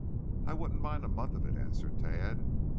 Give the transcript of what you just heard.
"I wouldn't mind a month of it," answered Tad.